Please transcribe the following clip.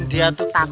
ada apaan sih